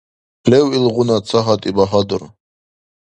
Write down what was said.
Лев илгъуна ца гьатӀи багьадур.